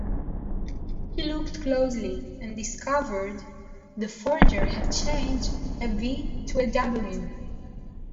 He looked closely and discovered the forger had changed a V to a W.